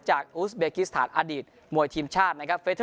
อูสเบกิสถานอดีตมวยทีมชาตินะครับ